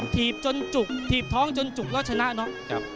ถีบจนจุกถีบท้องจนจุกแล้วชนะเนาะ